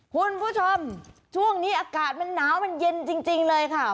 คุณผู้ชมช่วงนี้อากาศมันหนาวมันเย็นจริงเลยค่ะ